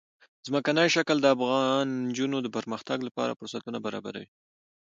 ځمکنی شکل د افغان نجونو د پرمختګ لپاره فرصتونه برابروي.